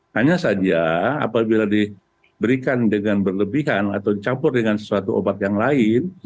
hanya saja apabila diberikan dengan berlebihan atau dicampur dengan sesuatu obat yang lain